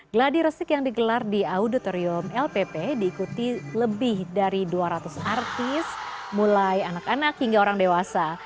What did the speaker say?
gladi resik yang digelar di auditorium lpp diikuti lebih dari dua ratus artis mulai anak anak hingga orang dewasa